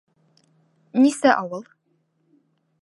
— Нисә ауыл?..